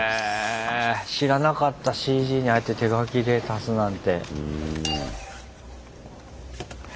知らなかったＣＧにああやって手描きで足すなんて。